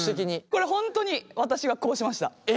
これ本当に私がこうしました。